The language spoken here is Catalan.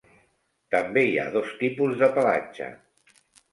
També hi ha dos tipus de pelatge.